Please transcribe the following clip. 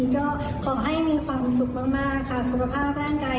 ก็ขอให้มีความสุขมากค่ะสุขภาพร่างกายแข็งแรงคิดอะไร